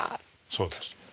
そうです。